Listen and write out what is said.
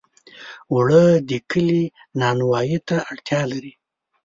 اوړه د کلي نانوایۍ ته اړتیا لري